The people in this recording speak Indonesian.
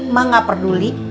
mak gak peduli